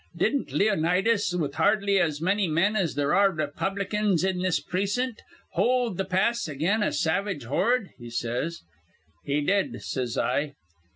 Didn't Leonidas, with hardly as manny men as there are Raypublicans in this precint, hold th' pass again a savage horde?' he says. 'He did,' says I.